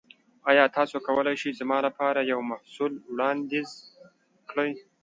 ایا تاسو کولی شئ زما لپاره یو محصول وړاندیز کړئ؟